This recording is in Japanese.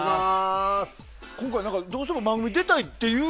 今回どうしても番組出たいっていう